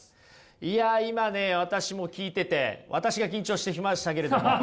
いや今ね私も聞いてて私が緊張してしましたけれども。